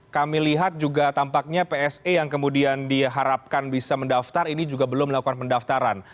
kami lihat juga tampaknya pse yang kemudian diharapkan bisa mendaftar ini juga belum melakukan pendaftaran